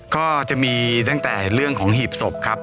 ก็จะมีตั้งแต่เรื่องของหีบศพครับ